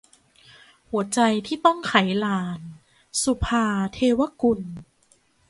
หัวใจที่ต้องไขลาน - สุภาว์ เทวกุล